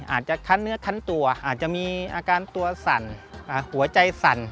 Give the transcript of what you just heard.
อาจจะคั้นเนื้อคันตัวอาจจะมีอาการตัวสั่นหัวใจสั่น